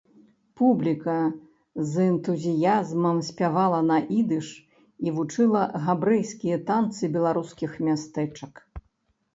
Публіка з энтузіязмам спявала на ідыш і вучыла габрэйскія танцы беларускіх мястэчак.